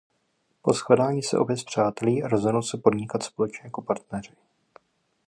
Po shledání se opět spřátelí a rozhodnou se podnikat společně jako partneři.